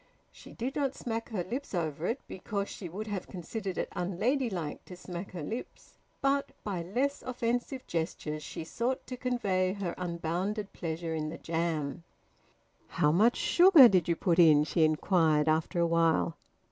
She did not smack her lips over it, because she would have considered it unladylike to smack her lips, but by less offensive gestures she sought to convey her unbounded pleasure in the jam. "How much sugar did you put in?" she inquired after a while.